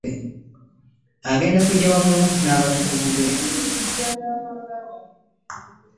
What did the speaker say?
Agenda kujja wamu n'abatukuvu be.